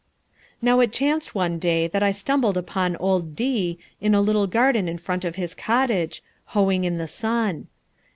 Now it chanced one day that I stumbled upon old D, in the little garden in front of his cottage, hoeing in the sun.